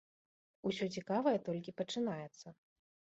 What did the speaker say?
Усё цікавае толькі пачынаецца.